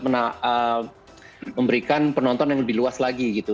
memberikan penonton yang lebih luas lagi gitu